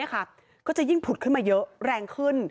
ก็จะยิ่งผุดขึ้นมาเยอะแรงขึ้น